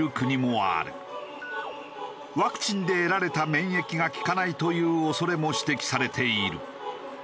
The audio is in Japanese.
ワクチンで得られた免疫が効かないという恐れも指摘されている。